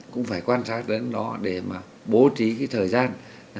cũng phải quan sát đến đó để mà bố trí cái thời gian